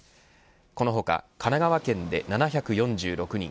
この他、神奈川県で７４６人